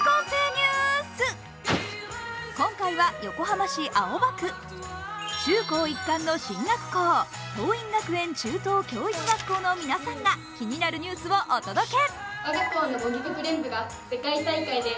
今回は横浜市青葉区、中高一貫の進学校、桐蔭学園中等教育学校の皆さんが気になるニュースをお届け。